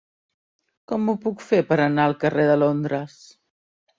Com ho puc fer per anar al carrer de Londres?